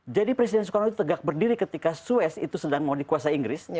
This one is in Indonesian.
jadi presiden soekarno itu tegak berdiri ketika suez itu sedang mau dikuasa inggris